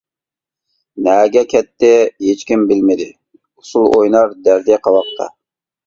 نەگە كەتتى، ھېچكىم بىلمىدى، ئۇسۇل ئوينار دەردى قاۋاقتا.